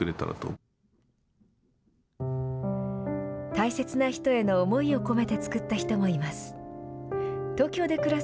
大切な人への思いを込めてつくった人もいます。